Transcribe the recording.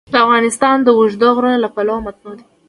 افغانستان د اوږده غرونه له پلوه متنوع دی.